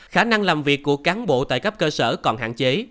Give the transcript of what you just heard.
khả năng làm việc của cán bộ tại cấp cơ sở còn hạn chế